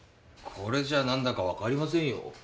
これじゃあなんだかわかりませんよ。